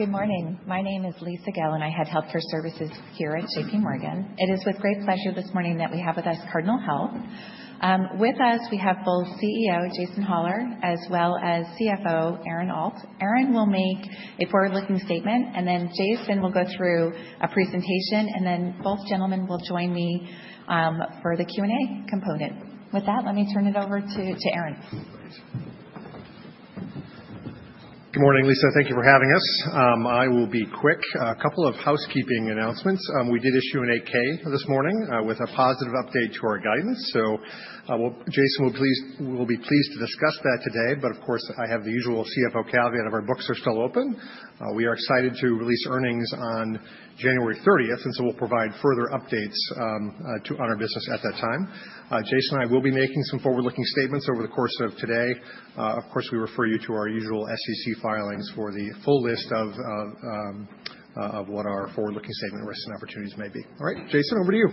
Good morning. My name is Lisa Gill, and I head healthcare services here at J.P. Morgan. It is with great pleasure this morning that we have with us Cardinal Health. With us, we have both CEO Jason Hollar, as well as CFO Aaron Alt. Aaron will make a forward-looking statement, and then Jason will go through a presentation, and then both gentlemen will join me for the Q&A component. With that, let me turn it over to Aaron. Good morning, Lisa. Thank you for having us. I will be quick. A couple of housekeeping announcements. We did issue an 8-K this morning with a positive update to our guidance. So, Jason will be pleased to discuss that today, but of course, I have the usual CFO caveat of our books are still open. We are excited to release earnings on January 30th, and so we'll provide further updates on our business at that time. Jason and I will be making some forward-looking statements over the course of today. Of course, we refer you to our usual SEC filings for the full list of what our forward-looking statement, risks, and opportunities may be. All right, Jason, over to you.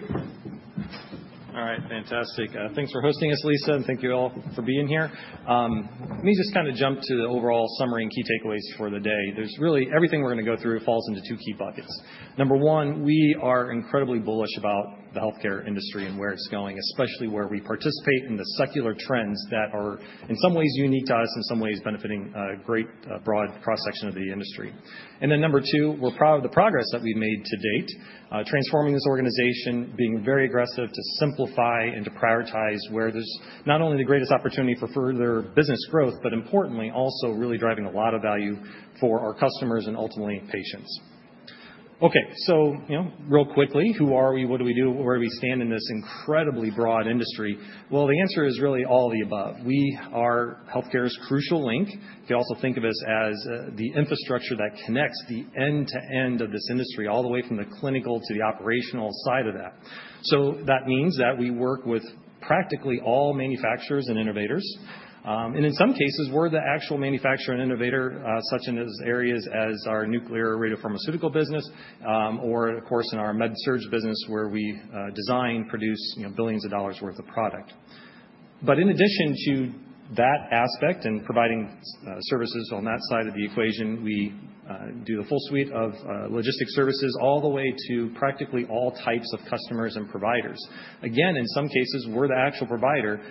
All right, fantastic. Thanks for hosting us, Lisa, and thank you all for being here. Let me just kind of jump to the overall summary and key takeaways for the day. There's really everything we're going to go through falls into two key buckets. Number one, we are incredibly bullish about the healthcare industry and where it's going, especially where we participate in the secular trends that are, in some ways, unique to us, in some ways, benefiting a great broad cross-section of the industry, and then number two, we're proud of the progress that we've made to date, transforming this organization, being very aggressive to simplify and to prioritize where there's not only the greatest opportunity for further business growth, but importantly, also really driving a lot of value for our customers and ultimately patients. Okay, so real quickly, who are we, what do we do, where do we stand in this incredibly broad industry? Well, the answer is really all the above. We are healthcare's crucial link. You can also think of us as the infrastructure that connects the end-to-end of this industry, all the way from the clinical to the operational side of that. So that means that we work with practically all manufacturers and innovators. And in some cases, we're the actual manufacturer and innovator, such as in areas as our nuclear radiopharmaceutical business, or of course, in our Med-Surg business, where we design, produce billions of dollars' worth of product. But in addition to that aspect and providing services on that side of the equation, we do the full suite of logistics services all the way to practically all types of customers and providers. Again, in some cases, we're the actual provider.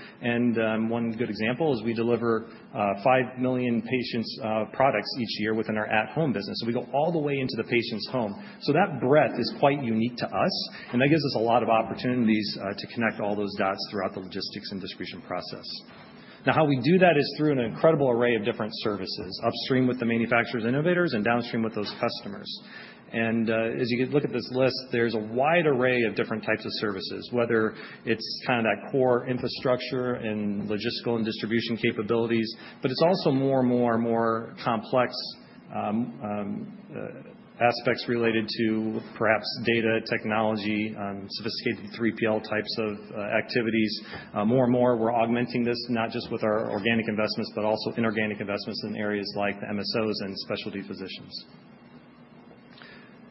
One good example is we deliver 5 million patients' products each year within our at-home business. So we go all the way into the patient's home. So that breadth is quite unique to us, and that gives us a lot of opportunities to connect all those dots throughout the logistics and distribution process. Now, how we do that is through an incredible array of different services, upstream with the manufacturers and innovators and downstream with those customers. And as you look at this list, there's a wide array of different types of services, whether it's kind of that core infrastructure and logistical and distribution capabilities, but it's also more and more and more complex aspects related to perhaps data technology, sophisticated 3PL types of activities. More and more, we're augmenting this not just with our organic investments, but also inorganic investments in areas like the MSOs and specialty physicians.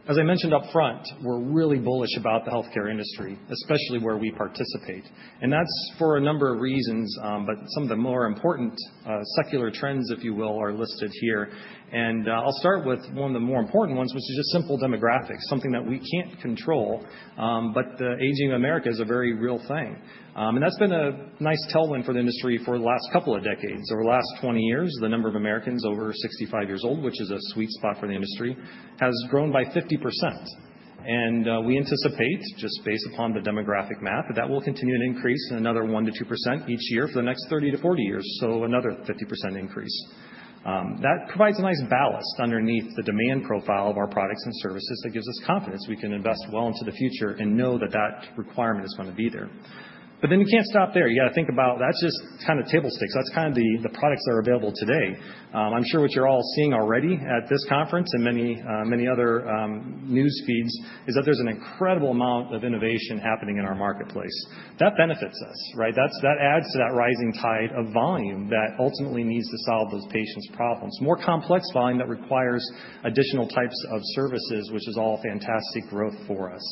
As I mentioned upfront, we're really bullish about the healthcare industry, especially where we participate. And that's for a number of reasons, but some of the more important secular trends, if you will, are listed here. And I'll start with one of the more important ones, which is just simple demographics, something that we can't control, but the aging of America is a very real thing. And that's been a nice tailwind for the industry for the last couple of decades. Over the last 20 years, the number of Americans over 65 years old, which is a sweet spot for the industry, has grown by 50%. And we anticipate, just based upon the demographic math, that that will continue to increase another 1 to 2% each year for the next 30 to 40 years, so another 50% increase. That provides a nice ballast underneath the demand profile of our products and services that gives us confidence we can invest well into the future and know that that requirement is going to be there. But then you can't stop there. You got to think about that's just kind of table stakes. That's kind of the products that are available today. I'm sure what you're all seeing already at this conference and many other news feeds is that there's an incredible amount of innovation happening in our marketplace. That benefits us, right? That adds to that rising tide of volume that ultimately needs to solve those patients' problems. More complex volume that requires additional types of services, which is all fantastic growth for us.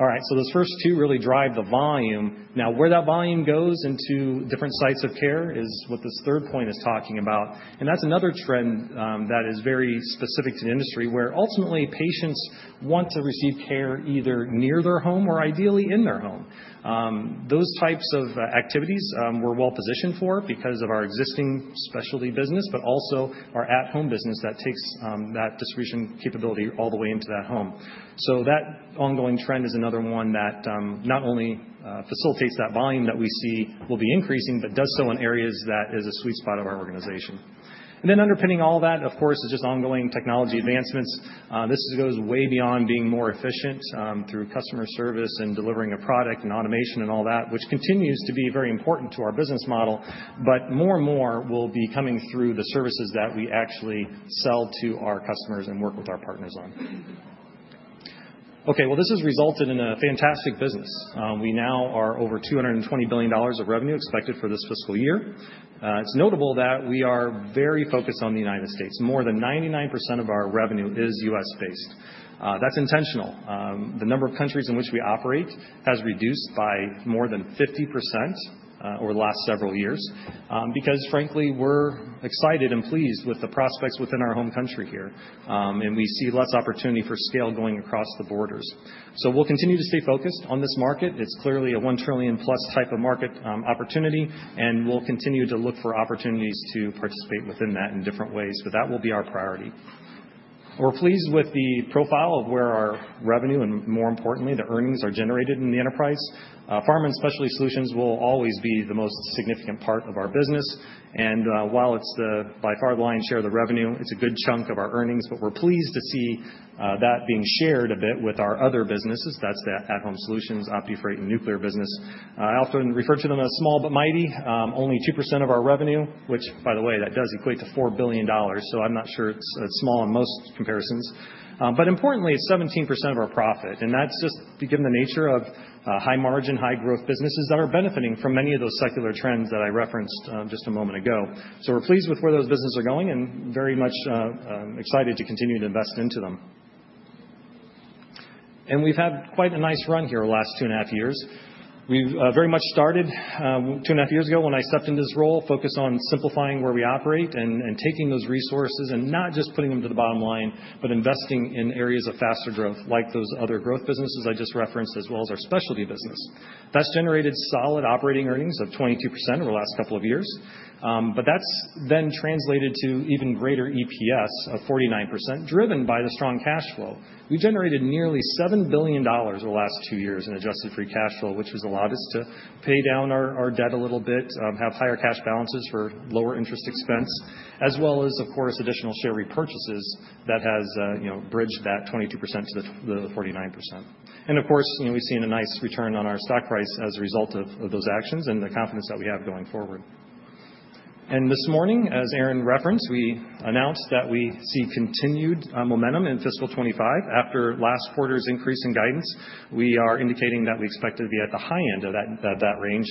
All right, so those first two really drive the volume. Now, where that volume goes into different sites of care is what this third point is talking about. And that's another trend that is very specific to the industry where ultimately patients want to receive care either near their home or ideally in their home. Those types of activities we're well positioned for because of our existing specialty business, but also our at-home business that takes that distribution capability all the way into that home. So that ongoing trend is another one that not only facilitates that volume that we see will be increasing, but does so in areas that is a sweet spot of our organization. And then underpinning all that, of course, is just ongoing technology advancements. This goes way beyond being more efficient through customer service and delivering a product and automation and all that, which continues to be very important to our business model, but more and more will be coming through the services that we actually sell to our customers and work with our partners on. Okay, well, this has resulted in a fantastic business. We now are over $220 billion of revenue expected for this fiscal year. It's notable that we are very focused on the United States. More than 99% of our revenue is U.S.-based. That's intentional. The number of countries in which we operate has reduced by more than 50% over the last several years because, frankly, we're excited and pleased with the prospects within our home country here, and we see less opportunity for scale going across the borders. So we'll continue to stay focused on this market. It's clearly a 1 trillion-plus type of market opportunity, and we'll continue to look for opportunities to participate within that in different ways, but that will be our priority. We're pleased with the profile of where our revenue and, more importantly, the earnings are generated in the enterprise. Pharma and Specialty Solutions will always be the most significant part of our business. And while it's by far the lion's share of the revenue, it's a good chunk of our earnings, but we're pleased to see that being shared a bit with our other businesses. That's the At-Home Solutions, OptiFreight, and nuclear business. I often refer to them as small but mighty. Only 2% of our revenue, which, by the way, that does equate to $4 billion, so I'm not sure it's small in most comparisons. But importantly, it's 17% of our profit. That's just given the nature of high-margin, high-growth businesses that are benefiting from many of those secular trends that I referenced just a moment ago. We're pleased with where those businesses are going and very much excited to continue to invest into them. We've had quite a nice run here over the last two and a half years. We've very much started two and a half years ago when I stepped into this role, focused on simplifying where we operate and taking those resources and not just putting them to the bottom line, but investing in areas of faster growth like those other growth businesses I just referenced, as well as our specialty business. That's generated solid operating earnings of 22% over the last couple of years. That's then translated to even greater EPS of 49%, driven by the strong cash flow. We generated nearly $7 billion over the last two years in adjusted free cash flow, which has allowed us to pay down our debt a little bit, have higher cash balances for lower interest expense, as well as, of course, additional share repurchases that have bridged that 22% to the 49%. And of course, we've seen a nice return on our stock price as a result of those actions and the confidence that we have going forward. And this morning, as Aaron referenced, we announced that we see continued momentum in fiscal 2025. After last quarter's increase in guidance, we are indicating that we expect to be at the high end of that range,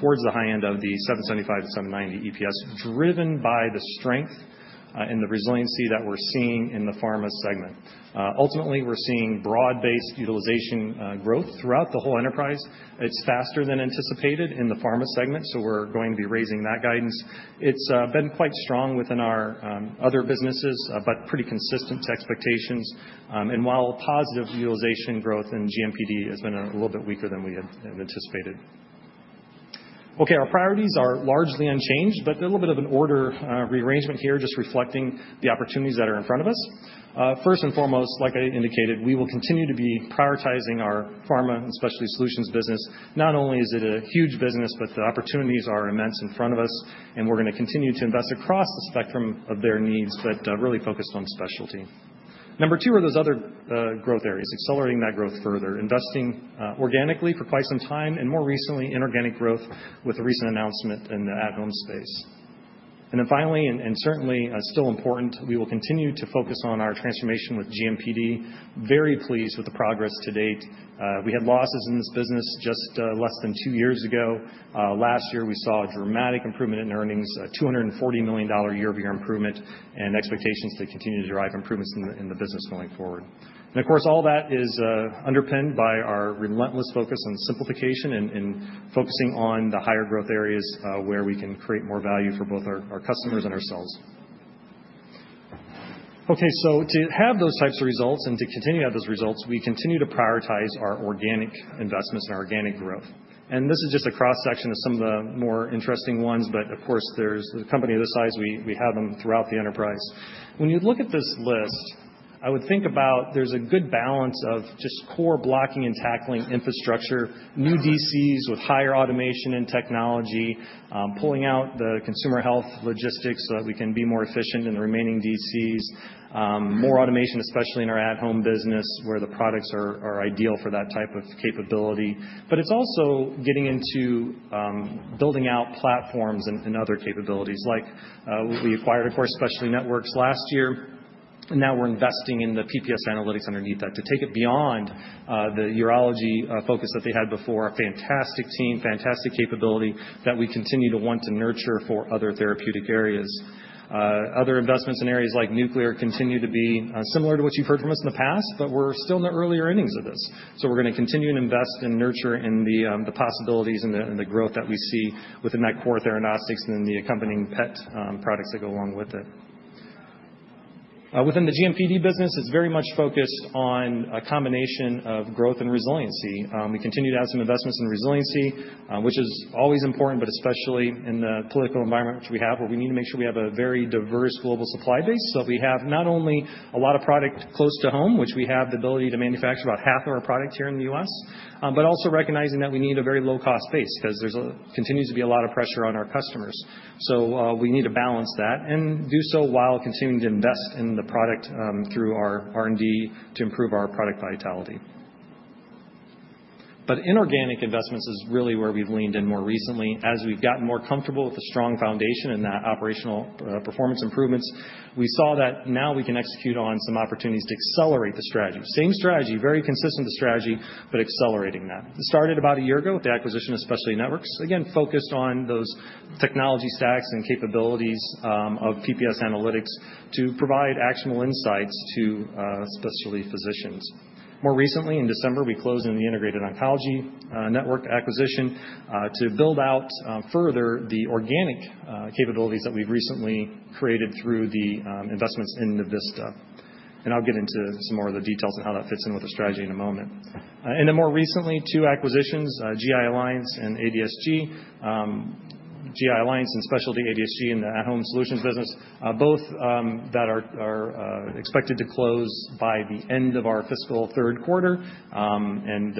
towards the high end of the $7.75-$7.90 EPS, driven by the strength and the resiliency that we're seeing in the pharma segment. Ultimately, we're seeing broad-based utilization growth throughout the whole enterprise. It's faster than anticipated in the Pharma segment, so we're going to be raising that guidance. It's been quite strong within our other businesses, but pretty consistent to expectations, and while positive utilization growth in GMPD has been a little bit weaker than we had anticipated. Okay, our priorities are largely unchanged, but a little bit of an order rearrangement here, just reflecting the opportunities that are in front of us. First and foremost, like I indicated, we will continue to be prioritizing our Pharma and Specialty Solutions business. Not only is it a huge business, but the opportunities are immense in front of us, and we're going to continue to invest across the spectrum of their needs, but really focused on specialty. Number two are those other growth areas, accelerating that growth further, investing organically for quite some time, and more recently in organic growth with a recent announcement in the at-home space, and then finally, and certainly still important, we will continue to focus on our transformation with GMPD. Very pleased with the progress to date. We had losses in this business just less than two years ago. Last year, we saw a dramatic improvement in earnings, a $240 million year-over-year improvement, and expectations to continue to drive improvements in the business going forward, and of course, all that is underpinned by our relentless focus on simplification and focusing on the higher growth areas where we can create more value for both our customers and ourselves. Okay, so to have those types of results and to continue to have those results, we continue to prioritize our organic investments and our organic growth. And this is just a cross-section of some of the more interesting ones, but of course, there's a company of this size, we have them throughout the enterprise. When you look at this list, I would think about there's a good balance of just core blocking and tackling infrastructure, new DCs with higher automation and technology, pulling out the consumer health logistics so that we can be more efficient in the remaining DCs, more automation, especially in our at-home business where the products are ideal for that type of capability. But it's also getting into building out platforms and other capabilities. Like we acquired, of course, Specialty Networks last year, and now we're investing in the PPS Analytics underneath that to take it beyond the urology focus that they had before. A fantastic team, fantastic capability that we continue to want to nurture for other therapeutic areas. Other investments in areas like nuclear continue to be similar to what you've heard from us in the past, but we're still in the earlier innings of this. So we're going to continue to invest and nurture in the possibilities and the growth that we see within that core theranostics and then the accompanying PET products that go along with it. Within the GMPD business, it's very much focused on a combination of growth and resiliency. We continue to have some investments in resiliency, which is always important, but especially in the political environment which we have, where we need to make sure we have a very diverse global supply base so that we have not only a lot of product close to home, which we have the ability to manufacture about half of our product here in the U.S., but also recognizing that we need a very low-cost base because there continues to be a lot of pressure on our customers. So we need to balance that and do so while continuing to invest in the product through our R&D to improve our product vitality. But inorganic investments is really where we've leaned in more recently. As we've gotten more comfortable with a strong foundation and that operational performance improvements, we saw that now we can execute on some opportunities to accelerate the strategy. Same strategy, very consistent strategy, but accelerating that. It started about a year ago with the acquisition of Specialty Networks, again focused on those technology stacks and capabilities of PPS Analytics to provide actionable insights to specialty physicians. More recently, in December, we closed on the Integrated Oncology Network acquisition to build out further the organic capabilities that we've recently created through the investments in Navista. I'll get into some more of the details and how that fits in with the strategy in a moment. Then more recently, two acquisitions, GI Alliance and ADSG, GI Alliance and specialty ADSG in the at-home solutions business, both that are expected to close by the end of our fiscal third quarter and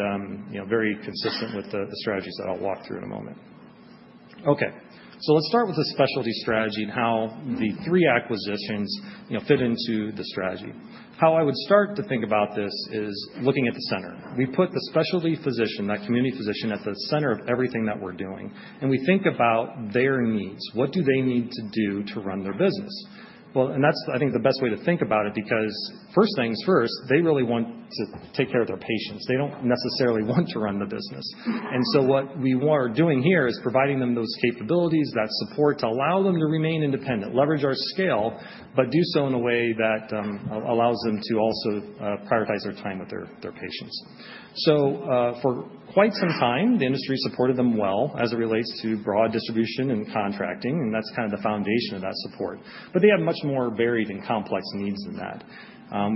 very consistent with the strategies that I'll walk through in a moment. Okay, so let's start with the specialty strategy and how the three acquisitions fit into the strategy. How I would start to think about this is looking at the center. We put the specialty physician, that community physician, at the center of everything that we're doing. And we think about their needs. What do they need to do to run their business? Well, and that's, I think, the best way to think about it because first things first, they really want to take care of their patients. They don't necessarily want to run the business. And so what we are doing here is providing them those capabilities, that support to allow them to remain independent, leverage our scale, but do so in a way that allows them to also prioritize their time with their patients. So for quite some time, the industry supported them well as it relates to broad distribution and contracting, and that's kind of the foundation of that support. But they have much more varied and complex needs than that.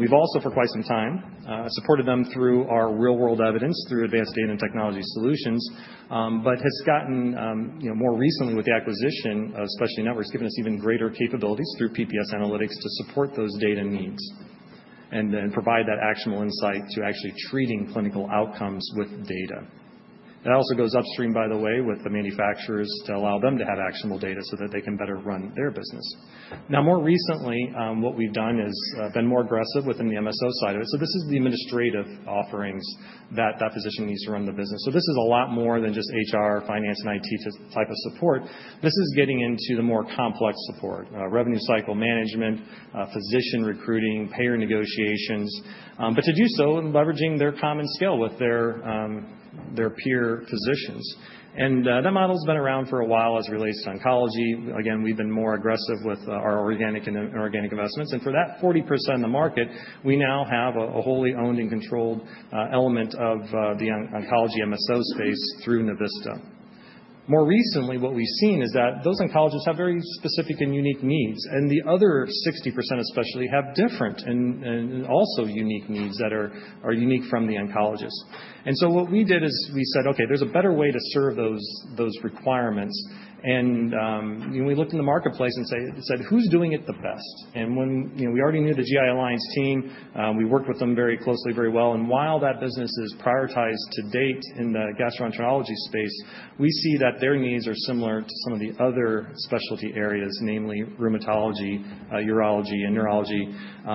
We've also, for quite some time, supported them through our real-world evidence, through advanced data and technology solutions, but has gotten more recently with the acquisition of Specialty Networks, given us even greater capabilities through PPS Analytics to support those data needs and then provide that actionable insight to actually treating clinical outcomes with data. That also goes upstream, by the way, with the manufacturers to allow them to have actionable data so that they can better run their business. Now, more recently, what we've done is been more aggressive within the MSO side of it. So this is the administrative offerings that physician needs to run the business. So this is a lot more than just HR, finance, and IT type of support. This is getting into the more complex support, revenue cycle management, physician recruiting, payer negotiations, but to do so and leveraging their common skill with their peer physicians. And that model has been around for a while as it relates to oncology. Again, we've been more aggressive with our organic and inorganic investments. And for that 40% of the market, we now have a wholly owned and controlled element of the oncology MSO space through Navista. More recently, what we've seen is that those oncologists have very specific and unique needs, and the other 60% especially have different and also unique needs that are unique from the oncologists. And so what we did is we said, "Okay, there's a better way to serve those requirements." And we looked in the marketplace and said, "Who's doing it the best?" And we already knew the GI Alliance team. We worked with them very closely, very well. And while that business is prioritized to date in the gastroenterology space, we see that their needs are similar to some of the other specialty areas, namely rheumatology, urology, and neurology,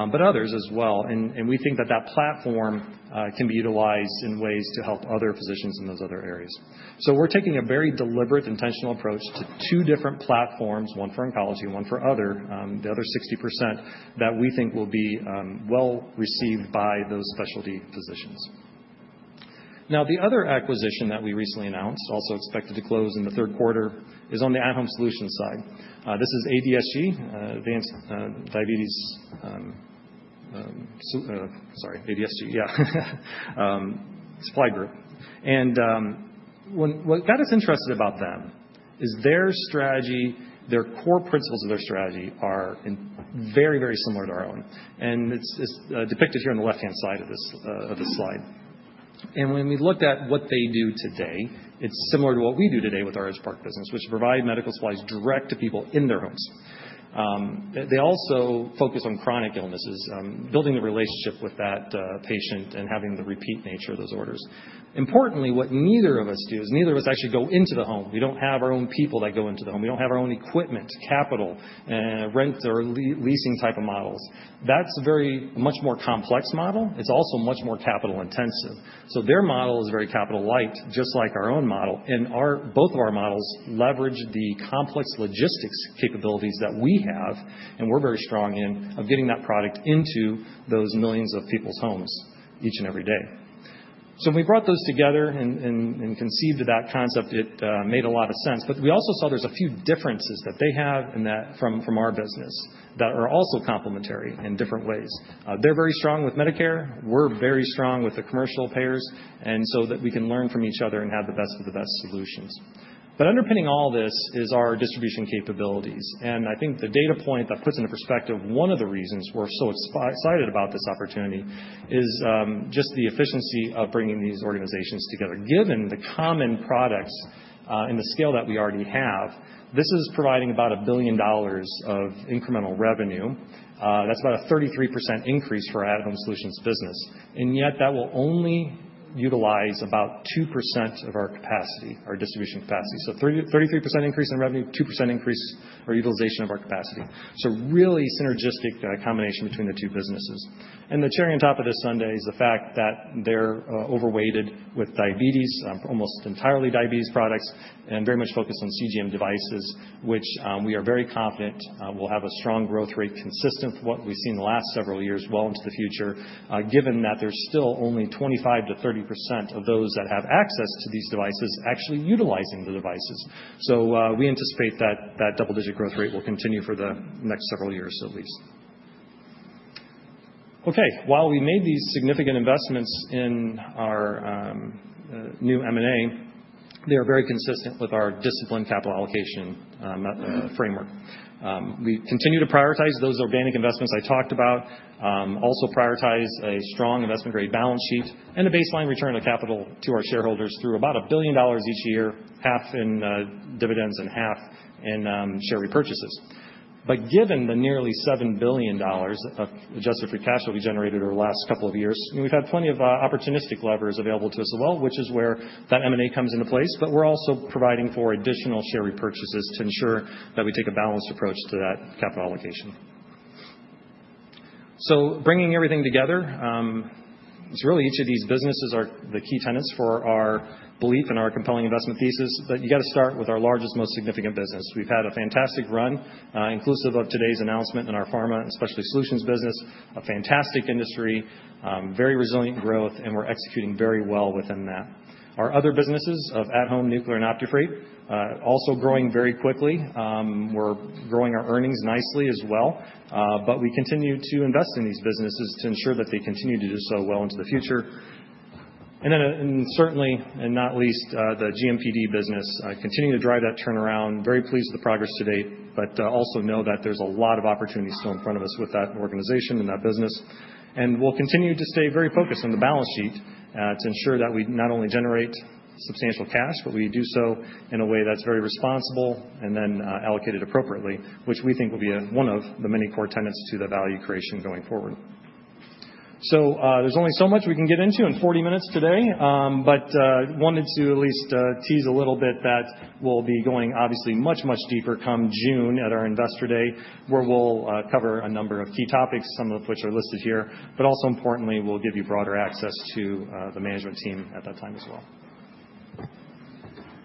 but others as well. And we think that that platform can be utilized in ways to help other physicians in those other areas. So we're taking a very deliberate, intentional approach to two different platforms, one for oncology, one for other, the other 60% that we think will be well received by those specialty physicians. Now, the other acquisition that we recently announced, also expected to close in the third quarter, is on the At-Home Solutions side. This is ADSG, Advanced Diabetes—sorry, ADSG, yeah—Supply Group. And what got us interested about them is their strategy, their core principles of their strategy are very, very similar to our own. It's depicted here on the left-hand side of this slide. When we looked at what they do today, it's similar to what we do today with our Edgepark business, which is provide medical supplies direct to people in their homes. They also focus on chronic illnesses, building the relationship with that patient and having the repeat nature of those orders. Importantly, what neither of us do is neither of us actually go into the home. We don't have our own people that go into the home. We don't have our own equipment, capital, rent, or leasing type of models. That's a very much more complex model. It's also much more capital-intensive. Their model is very capital-light, just like our own model. And both of our models leverage the complex logistics capabilities that we have, and we're very strong in, of getting that product into those millions of people's homes each and every day. So when we brought those together and conceived that concept, it made a lot of sense. But we also saw there's a few differences that they have from our business that are also complementary in different ways. They're very strong with Medicare. We're very strong with the commercial payers, and so that we can learn from each other and have the best of the best solutions. But underpinning all this is our distribution capabilities. And I think the data point that puts into perspective one of the reasons we're so excited about this opportunity is just the efficiency of bringing these organizations together. Given the common products and the scale that we already have, this is providing about $1 billion of incremental revenue. That's about a 33% increase for our At-Home Solutions business. And yet that will only utilize about 2% of our capacity, our distribution capacity. So 33% increase in revenue, 2% increase or utilization of our capacity. So really synergistic combination between the two businesses. And the cherry on top of this sundae is the fact that they're overweighted with diabetes, almost entirely diabetes products, and very much focused on CGM devices, which we are very confident will have a strong growth rate consistent with what we've seen the last several years, well into the future, given that there's still only 25%-30% of those that have access to these devices actually utilizing the devices. So we anticipate that that double-digit growth rate will continue for the next several years at least. Okay, while we made these significant investments in our new M&A, they are very consistent with our disciplined capital allocation framework. We continue to prioritize those organic investments I talked about, also prioritize a strong investment-grade balance sheet and a baseline return of capital to our shareholders through about $1 billion each year, $500 million in dividends and $500 million in share repurchases. But given the nearly $7 billion of Adjusted Free Cash Flow that we generated over the last couple of years, we've had plenty of opportunistic levers available to us as well, which is where that M&A comes into place. But we're also providing for additional share repurchases to ensure that we take a balanced approach to that capital allocation. So bringing everything together, it's really each of these businesses are the key tenets for our belief and our compelling investment thesis that you got to start with our largest, most significant business. We've had a fantastic run, inclusive of today's announcement in our Pharma and Specialty Solutions business, a fantastic industry, very resilient growth, and we're executing very well within that. Our other businesses of At-Home, Nuclear, and OptiFreight, also growing very quickly. We're growing our earnings nicely as well. But we continue to invest in these businesses to ensure that they continue to do so well into the future. And then certainly, and not least, the GMPD business, continue to drive that turnaround. Very pleased with the progress to date, but also know that there's a lot of opportunities still in front of us with that organization and that business. We'll continue to stay very focused on the balance sheet to ensure that we not only generate substantial cash, but we do so in a way that's very responsible and then allocated appropriately, which we think will be one of the many core tenets to the value creation going forward. There's only so much we can get into in 40 minutes today, but wanted to at least tease a little bit that we'll be going obviously much, much deeper come June at our investor day, where we'll cover a number of key topics, some of which are listed here. But also importantly, we'll give you broader access to the management team at that time as well.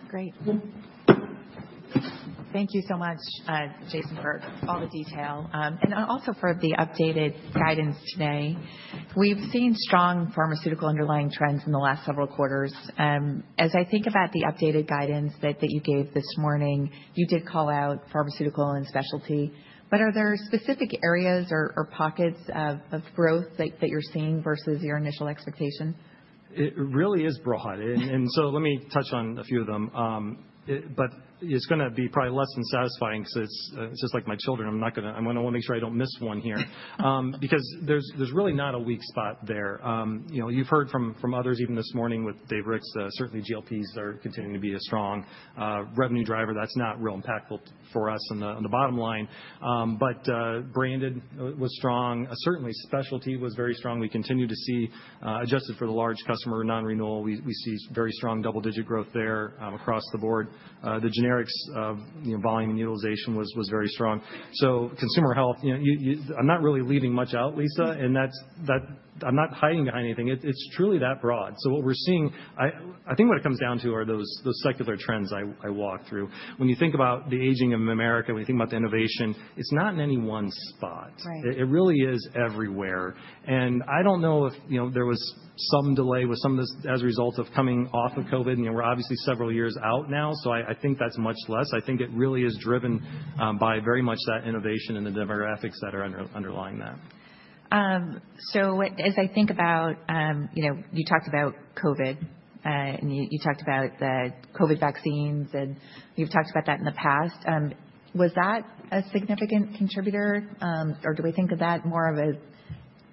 Great. Thank you so much, Jason, for all the detail. Also for the updated guidance today. We've seen strong pharmaceutical underlying trends in the last several quarters. As I think about the updated guidance that you gave this morning, you did call out pharmaceutical and specialty. But are there specific areas or pockets of growth that you're seeing versus your initial expectation? It really is broad, and so let me touch on a few of them, but it's going to be probably less than satisfying because it's just like my children. I'm going to want to make sure I don't miss one here because there's really not a weak spot there. You've heard from others even this morning with Dave Ricks; certainly GLP-1s are continuing to be a strong revenue driver. That's not real impactful for us on the bottom line, but branded was strong. Certainly, specialty was very strong. We continue to see, adjusted for the large customer non-renewal, very strong double-digit growth there across the board. The generics volume and utilization was very strong. So, consumer health, I'm not really leaving much out, Lisa, and I'm not hiding behind anything. It's truly that broad. So what we're seeing, I think what it comes down to are those secular trends I walked through. When you think about the aging of America, when you think about the innovation, it's not in any one spot. It really is everywhere. And I don't know if there was some delay with some of this as a result of coming off of COVID. We're obviously several years out now, so I think that's much less. I think it really is driven by very much that innovation and the demographics that are underlying that. So as I think about, you talked about COVID, and you talked about the COVID vaccines, and you've talked about that in the past. Was that a significant contributor, or do we think of that more of a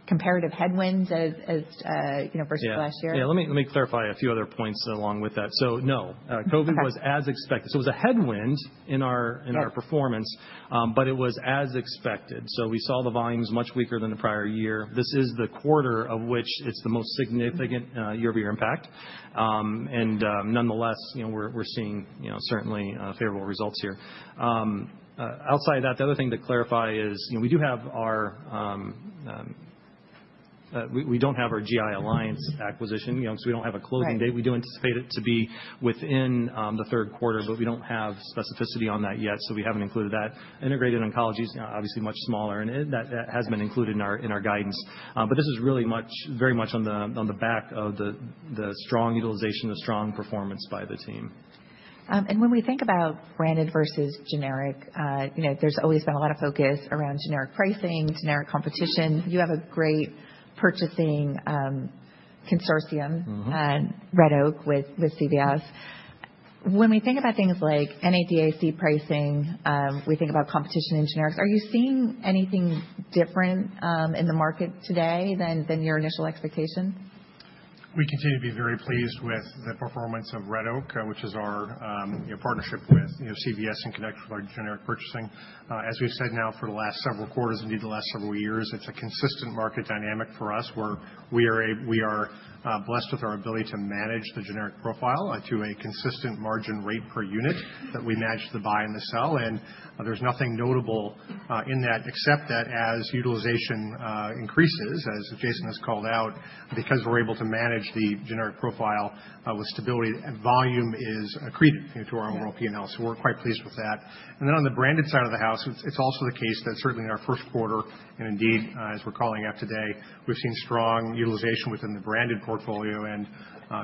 comparative headwind versus last year? Yeah, let me clarify a few other points along with that. So no, COVID was as expected. So it was a headwind in our performance, but it was as expected. So we saw the volumes much weaker than the prior year. This is the quarter of which it's the most significant year-over-year impact. And nonetheless, we're seeing certainly favorable results here. Outside of that, the other thing to clarify is we do have our - we don't have our GI Alliance acquisition because we don't have a closing date. We do anticipate it to be within the third quarter, but we don't have specificity on that yet, so we haven't included that. Integrated Oncology is obviously much smaller, and that has been included in our guidance. But this is really very much on the back of the strong utilization, the strong performance by the team. And when we think about branded versus generic, there's always been a lot of focus around generic pricing, generic competition. You have a great purchasing consortium, Red Oak, with CVS. When we think about things like NADAC pricing, we think about competition in generics. Are you seeing anything different in the market today than your initial expectation? We continue to be very pleased with the performance of Red Oak, which is our partnership with CVS in connection with our generic purchasing. As we've said now for the last several quarters, indeed the last several years, it's a consistent market dynamic for us where we are blessed with our ability to manage the generic profile to a consistent margin rate per unit that we match the buy and the sell. And there's nothing notable in that except that as utilization increases, as Jason has called out, because we're able to manage the generic profile with stability, volume is accretive to our overall P&L. So we're quite pleased with that. And then on the branded side of the house, it's also the case that certainly in our first quarter, and indeed as we're calling out today, we've seen strong utilization within the branded portfolio. And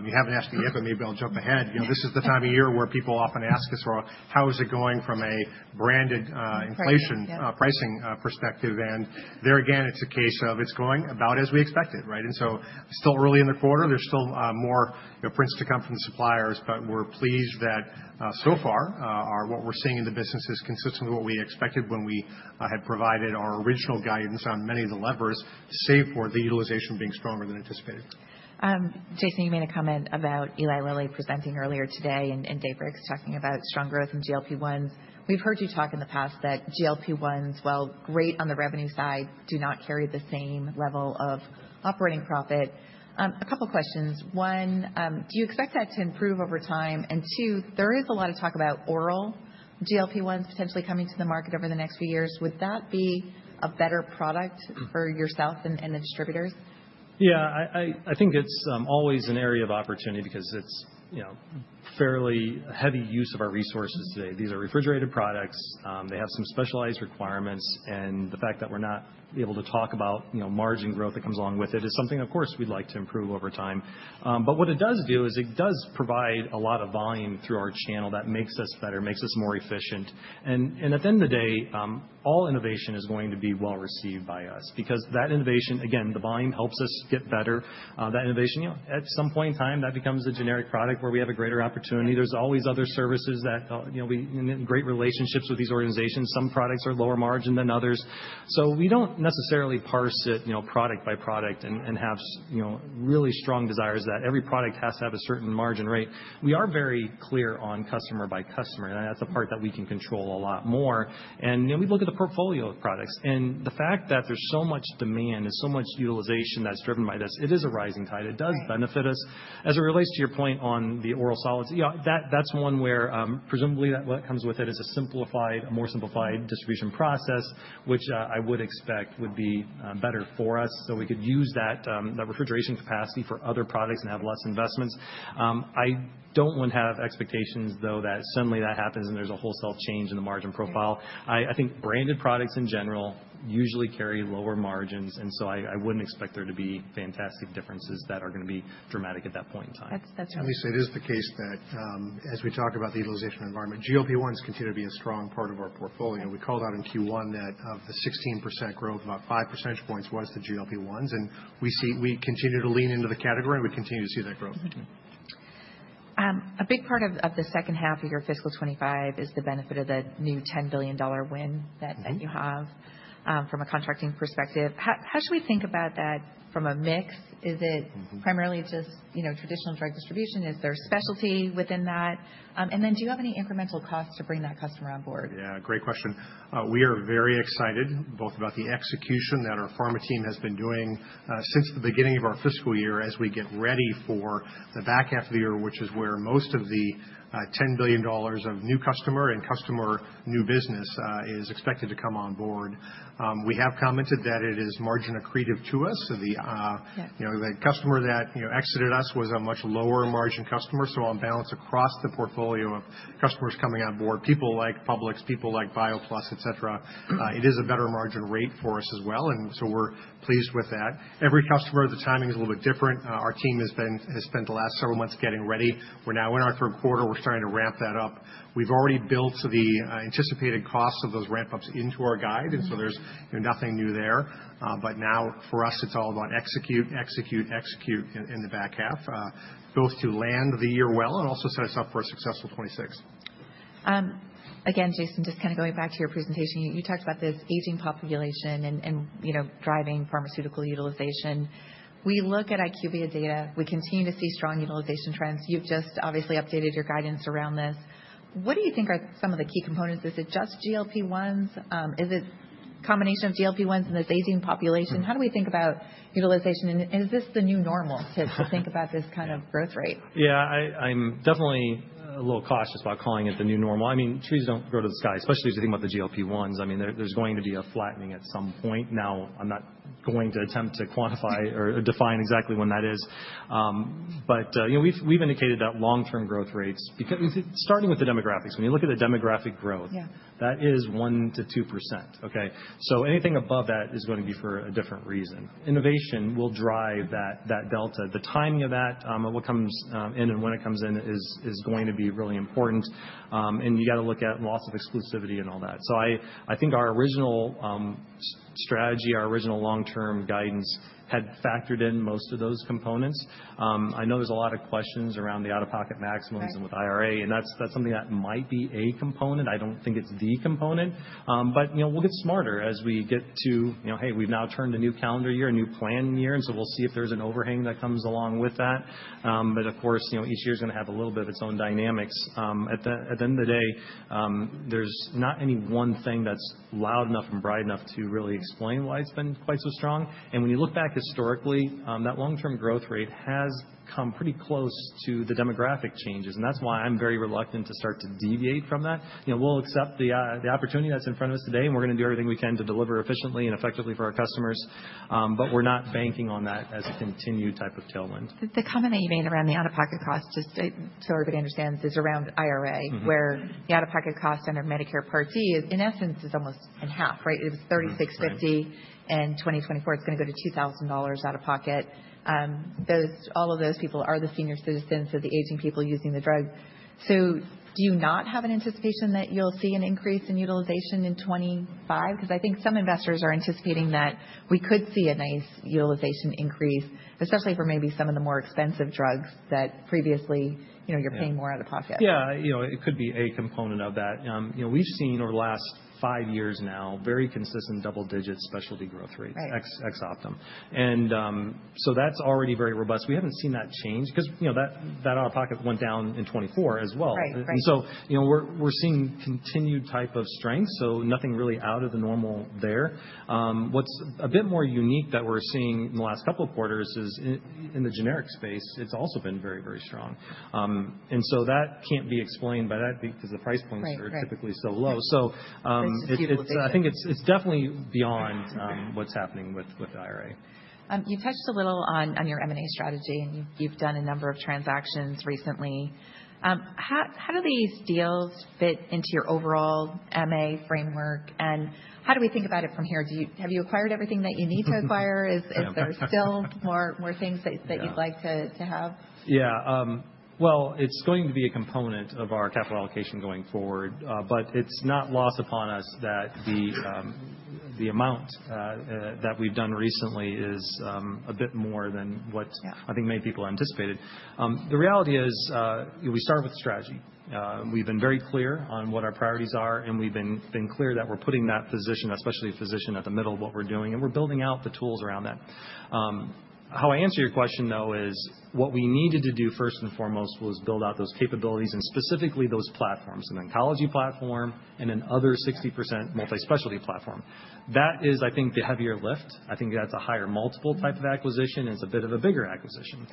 you haven't asked me yet, but maybe I'll jump ahead. This is the time of year where people often ask us, "How is it going from a branded inflation pricing perspective?" And there again, it's a case of it's going about as we expected, right? And so still early in the quarter, there's still more prints to come from the suppliers, but we're pleased that so far what we're seeing in the business is consistent with what we expected when we had provided our original guidance on many of the levers to save for the utilization being stronger than anticipated. Jason, you made a comment about Eli Lilly presenting earlier today and Dave Ricks talking about strong growth in GLP-1s. We've heard you talk in the past that GLP-1s, while great on the revenue side, do not carry the same level of operating profit. A couple of questions. One, do you expect that to improve over time? And two, there is a lot of talk about oral GLP-1s potentially coming to the market over the next few years. Would that be a better product for yourself and the distributors? Yeah, I think it's always an area of opportunity because it's fairly heavy use of our resources today. These are refrigerated products. They have some specialized requirements. And the fact that we're not able to talk about margin growth that comes along with it is something, of course, we'd like to improve over time. But what it does do is it does provide a lot of volume through our channel that makes us better, makes us more efficient. And at the end of the day, all innovation is going to be well received by us because that innovation, again, the volume helps us get better. That innovation, at some point in time, that becomes a generic product where we have a greater opportunity. There's always other services that we have great relationships with these organizations. Some products are lower margin than others. So, we don't necessarily parse it product by product and have really strong desires that every product has to have a certain margin rate. We are very clear on customer by customer. And that's a part that we can control a lot more. And we look at the portfolio of products. And the fact that there's so much demand and so much utilization that's driven by this, it is a rising tide. It does benefit us. As it relates to your point on the oral solids, that's one where presumably what comes with it is a more simplified distribution process, which I would expect would be better for us so we could use that refrigeration capacity for other products and have less investments. I don't want to have expectations, though, that suddenly that happens and there's a wholesale change in the margin profile. I think branded products in general usually carry lower margins. And so I wouldn't expect there to be fantastic differences that are going to be dramatic at that point in time. At least it is the case that as we talk about the utilization environment, GLP-1s continue to be a strong part of our portfolio. We called out in Q1 that of the 16% growth, about 5 percentage points was the GLP-1s. And we continue to lean into the category, and we continue to see that growth. A big part of the second half of your fiscal 2025 is the benefit of the new $10 billion win that you have from a contracting perspective. How should we think about that from a mix? Is it primarily just traditional drug distribution? Is there specialty within that? And then do you have any incremental costs to bring that customer on board? Yeah, great question. We are very excited both about the execution that our pharma team has been doing since the beginning of our fiscal year as we get ready for the back half of the year, which is where most of the $10 billion of new customer and customer new business is expected to come on board. We have commented that it is margin accretive to us. The customer that exited us was a much lower margin customer. So on balance across the portfolio of customers coming on board, people like Publix, people like BioPlus, etc., it is a better margin rate for us as well. And so we're pleased with that. Every customer, the timing is a little bit different. Our team has spent the last several months getting ready. We're now in our third quarter. We're starting to ramp that up. We've already built the anticipated costs of those ramp-ups into our guide, and so there's nothing new there, but now for us, it's all about execute, execute, execute in the back half, both to land the year well and also set us up for a successful 2026. Again, Jason, just kind of going back to your presentation, you talked about this aging population and driving pharmaceutical utilization. We look at IQVIA data. We continue to see strong utilization trends. You've just obviously updated your guidance around this. What do you think are some of the key components? Is it just GLP-1s? Is it a combination of GLP-1s and this aging population? How do we think about utilization? And is this the new normal to think about this kind of growth rate? Yeah, I'm definitely a little cautious about calling it the new normal. I mean, trees don't grow to the sky, especially as you think about the GLP-1s. I mean, there's going to be a flattening at some point. Now, I'm not going to attempt to quantify or define exactly when that is. But we've indicated that long-term growth rates, starting with the demographics, when you look at the demographic growth, that is 1%-2%. Okay? So anything above that is going to be for a different reason. Innovation will drive that delta. The timing of that, what comes in and when it comes in, is going to be really important. And you got to look at loss of exclusivity and all that. So I think our original strategy, our original long-term guidance had factored in most of those components. I know there's a lot of questions around the out-of-pocket maximums and with IRA. And that's something that might be a component. I don't think it's the component. But we'll get smarter as we get to, hey, we've now turned a new calendar year, a new plan year. And so we'll see if there's an overhang that comes along with that. But of course, each year is going to have a little bit of its own dynamics. At the end of the day, there's not any one thing that's loud enough and bright enough to really explain why it's been quite so strong. And when you look back historically, that long-term growth rate has come pretty close to the demographic changes. And that's why I'm very reluctant to start to deviate from that. We'll accept the opportunity that's in front of us today, and we're going to do everything we can to deliver efficiently and effectively for our customers. But we're not banking on that as a continued type of tailwind. The comment that you made around the out-of-pocket cost, just so everybody understands, is around IRA, where the out-of-pocket cost under Medicare Part D, in essence, is almost in half, right? It was $36.50 in 2024. It's going to go to $2,000 out-of-pocket. All of those people are the senior citizens, so the aging people using the drugs. So do you not have an anticipation that you'll see an increase in utilization in 2025? Because I think some investors are anticipating that we could see a nice utilization increase, especially for maybe some of the more expensive drugs that previously you're paying more out-of-pocket. Yeah, it could be a component of that. We've seen over the last five years now very consistent double-digit specialty growth rates, ex-Optum. And so that's already very robust. We haven't seen that change because that out-of-pocket went down in 2024 as well. And so we're seeing continued type of strength, so nothing really out of the normal there. What's a bit more unique that we're seeing in the last couple of quarters is in the generic space. It's also been very, very strong. And so that can't be explained by that because the price points are typically so low. So I think it's definitely beyond what's happening with IRA. You touched a little on your M&A strategy, and you've done a number of transactions recently. How do these deals fit into your overall M&A framework? And how do we think about it from here? Have you acquired everything that you need to acquire? Is there still more things that you'd like to have? Yeah. It's going to be a component of our capital allocation going forward, but it's not lost upon us that the amount that we've done recently is a bit more than what I think many people anticipated. The reality is we start with the strategy. We've been very clear on what our priorities are, and we've been clear that we're putting that physician, especially a physician, at the middle of what we're doing, and we're building out the tools around that. How I answer your question, though, is what we needed to do first and foremost was build out those capabilities and specifically those platforms, an oncology platform and another 60% multi-specialty platform. That is, I think, the heavier lift. I think that's a higher multiple type of acquisition, and it's a bit of a bigger acquisition.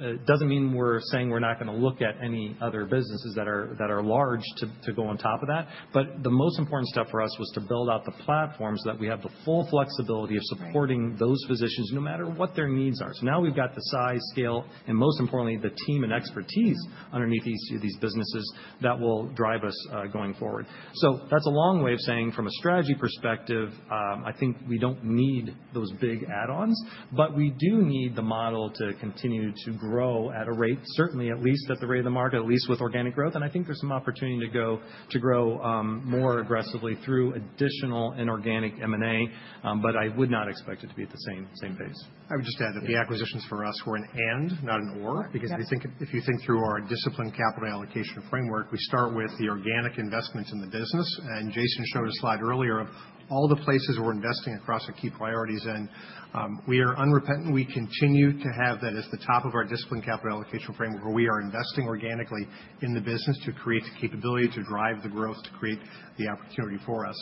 It doesn't mean we're saying we're not going to look at any other businesses that are large to go on top of that. But the most important step for us was to build out the platform so that we have the full flexibility of supporting those physicians no matter what their needs are. So now we've got the size, scale, and most importantly, the team and expertise underneath these businesses that will drive us going forward. So that's a long way of saying from a strategy perspective, I think we don't need those big add-ons, but we do need the model to continue to grow at a rate, certainly at least at the rate of the market, at least with organic growth. And I think there's some opportunity to grow more aggressively through additional inorganic M&A, but I would not expect it to be at the same pace. I would just add that the acquisitions for us were an and, not an or, because if you think through our discipline capital allocation framework, we start with the organic investments in the business, and Jason showed a slide earlier of all the places we're investing across our key priorities, and we are unrepentant. We continue to have that as the top of our discipline capital allocation framework where we are investing organically in the business to create the capability to drive the growth, to create the opportunity for us.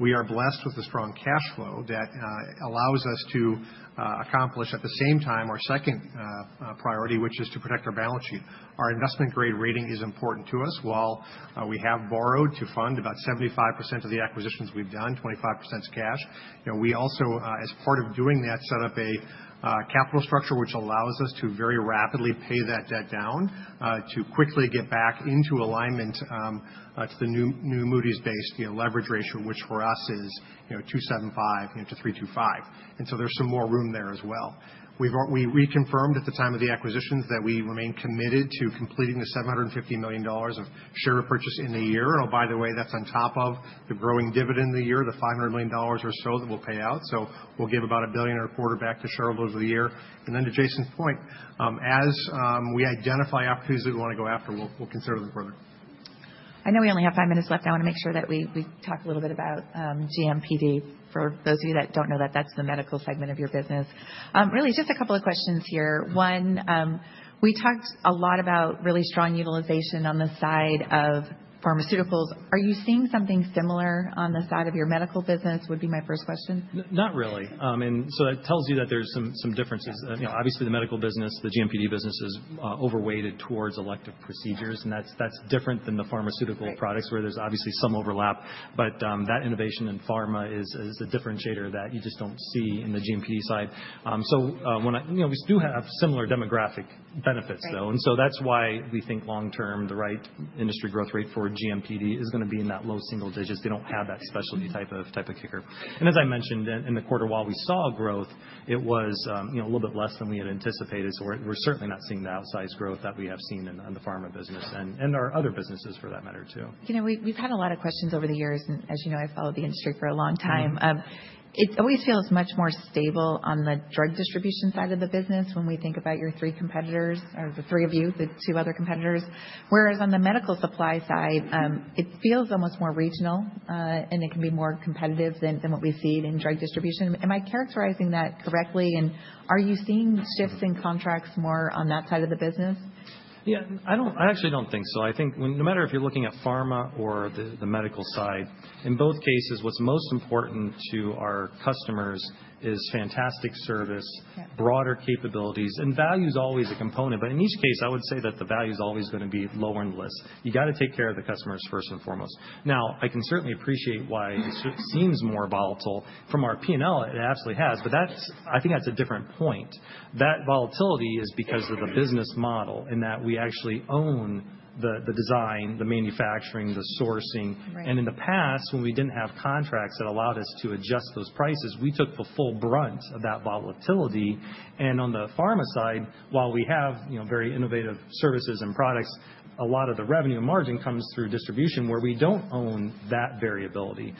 We are blessed with a strong cash flow that allows us to accomplish at the same time our second priority, which is to protect our balance sheet. Our investment grade rating is important to us. While we have borrowed to fund about 75% of the acquisitions we've done, 25% is cash. We also, as part of doing that, set up a capital structure which allows us to very rapidly pay that debt down to quickly get back into alignment to the new Moody's-based leverage ratio, which for us is 275-325. And so there's some more room there as well. We confirmed at the time of the acquisitions that we remain committed to completing the $750 million of share purchase in a year. Oh, by the way, that's on top of the growing dividend of the year, the $500 million or so that we'll pay out. So we'll give about $1 billion or a quarter back to shareholders of the year. And then to Jason's point, as we identify opportunities that we want to go after, we'll consider them further. I know we only have five minutes left. I want to make sure that we talk a little bit about GMPD. For those of you that don't know that, that's the medical segment of your business. Really, just a couple of questions here. One, we talked a lot about really strong utilization on the side of pharmaceuticals. Are you seeing something similar on the side of your medical business? Would be my first question. Not really, and so that tells you that there's some differences. Obviously, the medical business, the GMPD business is overweighted towards elective procedures, and that's different than the pharmaceutical products where there's obviously some overlap. But that innovation in pharma is a differentiator that you just don't see in the GMPD side, so we do have similar demographic benefits, though. And so that's why we think long-term the right industry growth rate for GMPD is going to be in that low single digits. They don't have that specialty type of kicker. And as I mentioned, in the quarter while we saw growth, it was a little bit less than we had anticipated. So we're certainly not seeing the outsized growth that we have seen in the pharma business and our other businesses for that matter, too. We've had a lot of questions over the years. And as you know, I've followed the industry for a long time. It always feels much more stable on the drug distribution side of the business when we think about your three competitors or the three of you, the two other competitors. Whereas on the medical supply side, it feels almost more regional, and it can be more competitive than what we've seen in drug distribution. Am I characterizing that correctly? And are you seeing shifts in contracts more on that side of the business? Yeah, I actually don't think so. I think no matter if you're looking at pharma or the medical side, in both cases, what's most important to our customers is fantastic service, broader capabilities. And value is always a component. But in each case, I would say that the value is always going to be low and less. You got to take care of the customers first and foremost. Now, I can certainly appreciate why it seems more volatile. From our P&L, it absolutely has. But I think that's a different point. That volatility is because of the business model in that we actually own the design, the manufacturing, the sourcing. And in the past, when we didn't have contracts that allowed us to adjust those prices, we took the full brunt of that volatility. And on the pharma side, while we have very innovative services and products, a lot of the revenue and margin comes through distribution where we don't own that variability.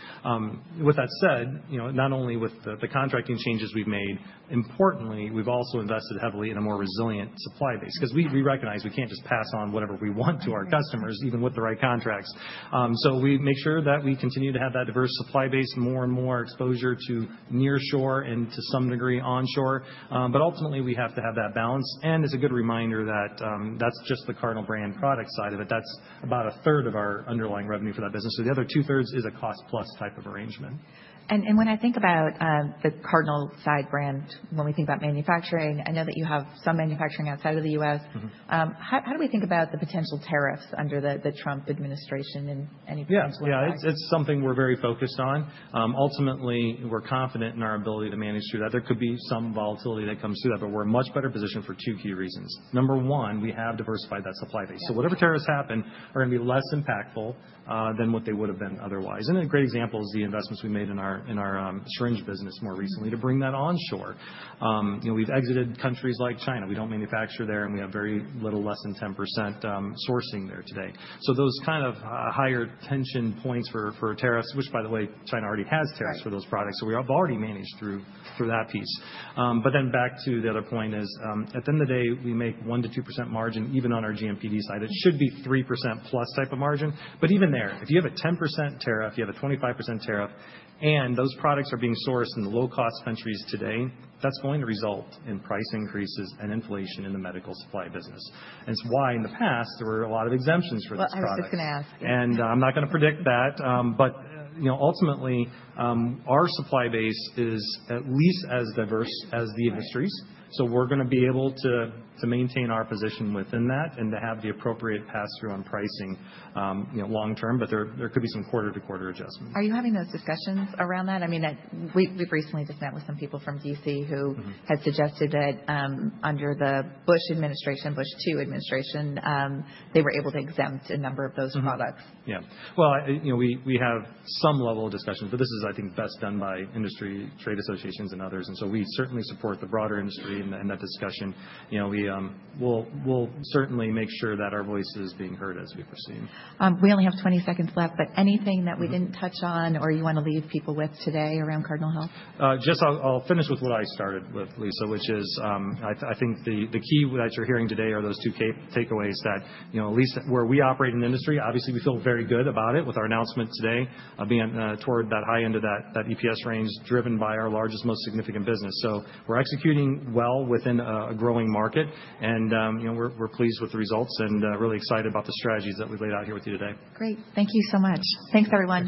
With that said, not only with the contracting changes we've made, importantly, we've also invested heavily in a more resilient supply base because we recognize we can't just pass on whatever we want to our customers, even with the right contracts. So we make sure that we continue to have that diverse supply base, more and more exposure to nearshore and to some degree onshore. But ultimately, we have to have that balance. And it's a good reminder that that's just the Cardinal brand product side of it. That's about a third of our underlying revenue for that business. So the other two-thirds is a cost-plus type of arrangement. When I think about the Cardinal Health brand, when we think about manufacturing, I know that you have some manufacturing outside of the U.S. How do we think about the potential tariffs under the Trump administration and any potential? Yeah, it's something we're very focused on. Ultimately, we're confident in our ability to manage through that. There could be some volatility that comes through that, but we're in a much better position for two key reasons. Number one, we have diversified that supply base. So whatever tariffs happen are going to be less impactful than what they would have been otherwise. And a great example is the investments we made in our syringe business more recently to bring that onshore. We've exited countries like China. We don't manufacture there, and we have very little, less than 10% sourcing there today. So those kind of higher tension points for tariffs, which, by the way, China already has tariffs for those products. So we've already managed through that piece. But then back to the other point is, at the end of the day, we make 1%-2% margin even on our GMPD side. It should be 3% plus type of margin. But even there, if you have a 10% tariff, you have a 25% tariff, and those products are being sourced in the low-cost countries today, that's going to result in price increases and inflation in the medical supply business. And it's why in the past there were a lot of exemptions for this product. Well, I was just going to ask. And I'm not going to predict that. But ultimately, our supply base is at least as diverse as the industries. So we're going to be able to maintain our position within that and to have the appropriate pass-through on pricing long-term, but there could be some quarter-to-quarter adjustments. Are you having those discussions around that? I mean, we've recently just met with some people from D.C. who had suggested that under the Bush administration, Bush II administration, they were able to exempt a number of those products. Yeah. Well, we have some level of discussion, but this is, I think, best done by industry, trade associations, and others. And so we certainly support the broader industry in that discussion. We'll certainly make sure that our voice is being heard as we proceed. We only have 20 seconds left, but anything that we didn't touch on or you want to leave people with today around Cardinal Health? Just, I'll finish with what I started with, Lisa, which is I think the key that you're hearing today are those two takeaways that at least where we operate in the industry, obviously, we feel very good about it with our announcement today being toward that high end of that EPS range driven by our largest, most significant business. So we're executing well within a growing market, and we're pleased with the results and really excited about the strategies that we've laid out here with you today. Great. Thank you so much. Thanks, everyone.